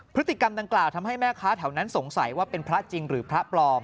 พฤติกรรมดังกล่าวทำให้แม่ค้าแถวนั้นสงสัยว่าเป็นพระจริงหรือพระปลอม